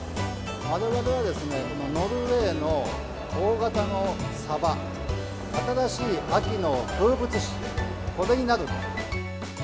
われわれはですね、ノルウェーの大型のサバ、新しい秋の風物詩、これになると。